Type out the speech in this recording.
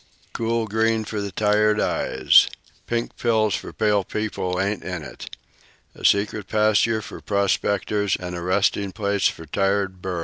Cool green for tired eyes! Pink pills for pale people ain't in it. A secret pasture for prospectors and a resting place for tired burros.